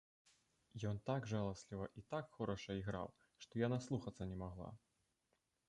Ён так жаласліва і так хораша іграў, што я наслухацца не магла.